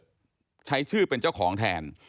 ให้เปิดใช้ชื่อเป็นเจ้าของแทน